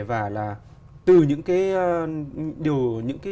và là từ những cái